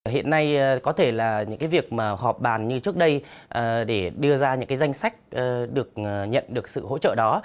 hiện nay có thể là những việc họp bàn như trước đây để đưa ra những danh sách được nhận được sự hỗ trợ đó